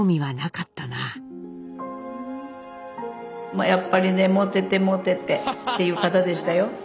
まあやっぱりねモテてモテてっていう方でしたよ。